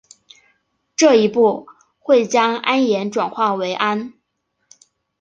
这一步会将铵盐转化成氨。